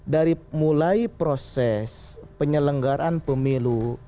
dari mulai proses penyelenggaraan pemilu